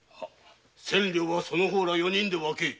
千両はその方ら四人で分けろ。